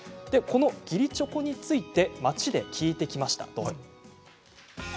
その義理チョコについて街で聞いてみました。